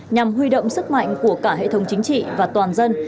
nhằm huy động sức mạnh của cả hệ thống chính trị và toàn dân